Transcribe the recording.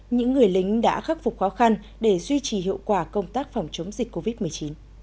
những người lính đã khắc phục khó khăn để duy trì hiệu quả công tác phòng chống dịch covid một mươi chín